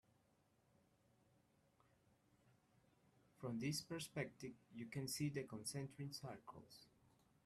From this perspective you can see the concentric circles.